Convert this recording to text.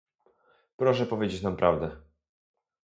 Proszę powiedzieć nam prawdę